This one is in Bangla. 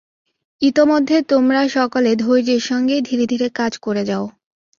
ইতোমধ্যে তোমরা সকলে ধৈর্যের সঙ্গে ধীরে ধীরে কাজ করে যাও।